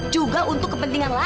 juga untuk kepentingan lara